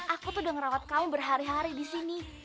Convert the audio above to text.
aku tuh udah ngerawat kamu berhari hari di sini